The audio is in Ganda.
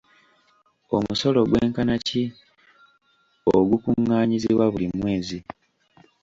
Omusolo gwenkana ki ogukungaanyizibwa buli mwezi?